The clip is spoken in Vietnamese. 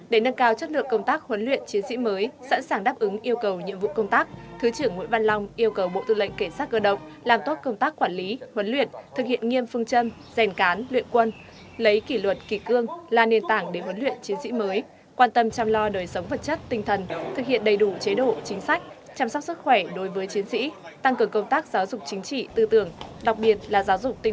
để nâng cao chất lượng công tác huấn luyện chiến sĩ mới sẵn sàng đáp ứng yêu cầu nhiệm vụ công tác thứ trưởng nguyễn văn long yêu cầu bộ tư lệnh cảnh sát cơ động làm tốt công tác quản lý huấn luyện thực hiện nghiêm phương châm rèn cán luyện quân lấy kỷ luật kỷ cương là nền tảng để huấn luyện chiến sĩ mới quan tâm chăm lo đời sống vật chất tinh thần thực hiện đầy đủ chế độ chính sách chăm sóc sức khỏe đối với chiến sĩ tăng cường công tác giáo dục chính trị tư tưởng đặc biệt là gi